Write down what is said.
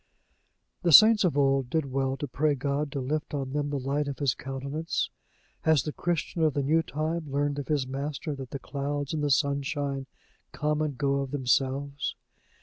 The saints of old did well to pray God to lift on them the light of his countenance: has the Christian of the new time learned of his Master that the clouds and the sunshine come and go of themselves?